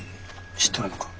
知っとるのか？